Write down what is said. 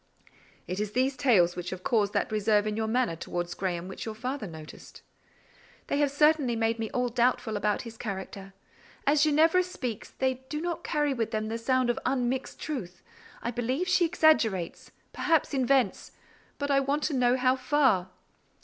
"It is these tales which have caused that reserve in your manner towards Graham which your father noticed." "They have certainly made me all doubtful about his character. As Ginevra speaks, they do not carry with them the sound of unmixed truth: I believe she exaggerates—perhaps invents—but I want to know how far."